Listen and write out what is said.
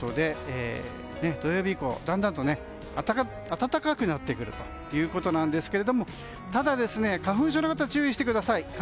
土曜日以降、だんだんと暖かくなってくるんですけどもただ、花粉症の方は注意してください。